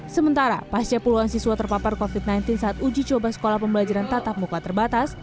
sementara pasca puluhan siswa terpapar covid sembilan belas saat uji coba sekolah pembelajaran tatap muka terbatas